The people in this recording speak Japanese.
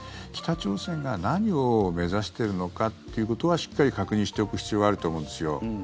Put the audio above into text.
北朝鮮が何を目指しているのかっていうことはしっかり確認しておく必要があると思うんですよ。